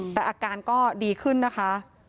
แต่อาการก็ดีขึ้นนะคะ